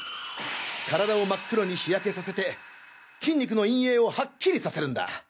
体を真っ黒に日焼けさせて筋肉の陰影をはっきりさせるんだ。